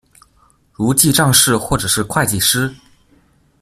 如記帳士或者是會計師